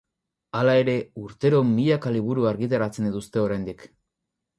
Hala ere, urtero milaka liburu argitaratzen dituzte oraindik.